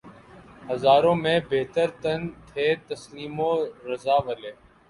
ہزاروں میں بہتر تن تھے تسلیم و رضا والے